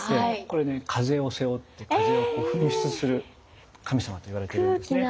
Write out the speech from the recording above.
これね風を背負って風を噴出する神様といわれているんですね。